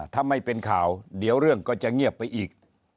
ถ้าไม่เป็นข่าวเดี๋ยวเรื่องก็จะเงียบไปอีก